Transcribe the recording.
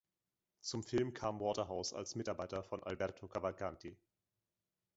Zum Film kam Waterhouse als Mitarbeiter von Alberto Cavalcanti.